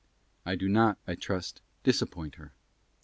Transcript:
I do not, I trust, disappoint her.